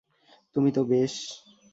তুমি তো বেশ!